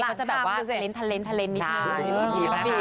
ก็จะแบบว่าเทลนนิดนึง